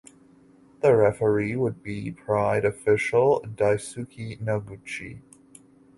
The referee would be Pride official Daisuke Noguchi.